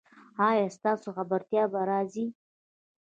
ایا ستاسو خبرتیا به راځي؟